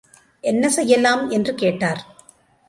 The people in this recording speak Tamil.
என்ன செய்யலாம் என்று கேட்டார்.